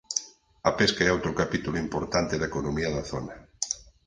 A pesca é outro capítulo importante da economía da zona.